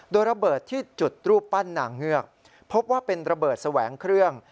โดยระเบิดที่จุดรูปปั้นนางเงือกพบว่าเป็นระเบิดแสวงเครื่อง